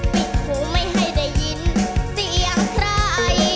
ปิดหูไม่ให้ได้ยินเสียงใคร